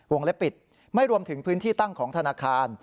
เล็บปิดไม่รวมถึงพื้นที่ตั้งของธนาคาร